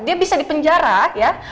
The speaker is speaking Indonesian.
dia bisa di penjara ya